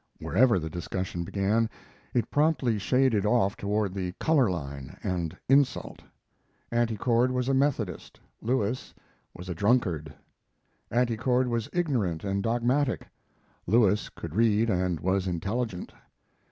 Wherever the discussion began it promptly shaded off toward the color line and insult. Auntie Cord was a Methodist; Lewis was a Dunkard. Auntie Cord was ignorant and dogmatic; Lewis could read and was intelligent.